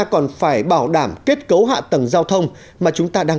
cái đầu tư giảng cao tốc bắc nam này